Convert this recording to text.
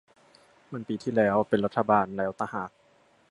มันปีที่แล้ว เป็นรัฐบาลแล้วตะหาก